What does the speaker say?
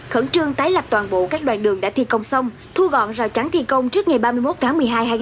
khẩn trương tái lập toàn bộ các đoạn đường đã thi công xong thu gọn rào chắn thi công trước ngày ba mươi một tháng một mươi hai hai nghìn hai mươi